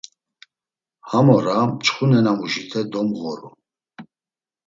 Ham ora mçxu nenamuşite domğoru.